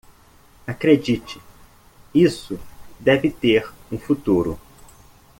Acredite, isso deve ter um futuro